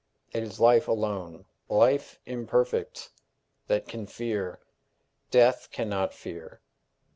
It is life alone life imperfect that can fear; death can not fear.